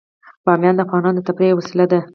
بامیان د افغانانو د تفریح یوه وسیله ده.